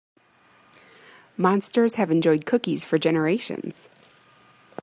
Monsters have enjoyed cookies for generations.